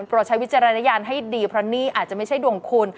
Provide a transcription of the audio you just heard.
ใช้วิจารณญาณให้ดีเพราะนี่อาจจะไม่ใช่ดวงคุณ